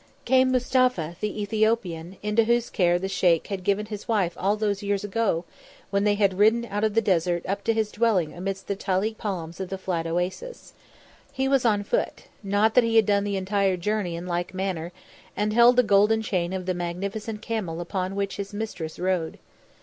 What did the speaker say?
Came Mustapha, the Ethiopian, into whose care the Sheikh had given his wife all those years ago, when they had ridden out of the desert up to his dwelling amongst the talik palms of the Flat Oasis. He was on foot not that he had done the entire journey in like manner and held the golden chain of the magnificent camel upon which his mistress rode.